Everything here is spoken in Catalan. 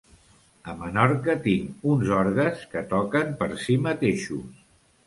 A Menorca tinc uns orgues que toquen per si mateixos.